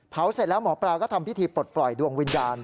เสร็จแล้วหมอปลาก็ทำพิธีปลดปล่อยดวงวิญญาณ